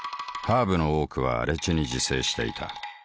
ハーブの多くは荒地に自生していた。